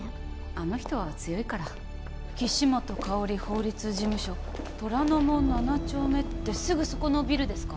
あの人は強いから岸本香法律事務所虎ノ門７丁目ってすぐそこのビルですか？